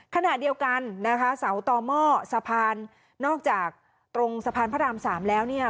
ขณะเดียวกันนะคะเสาต่อหม้อสะพานนอกจากตรงสะพานพระรามสามแล้วเนี่ย